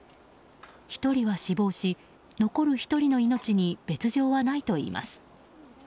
１人は死亡し、残る１人の命に別条はないといいます。